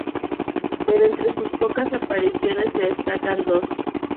Pero entre sus pocas apariciones se destacan dos.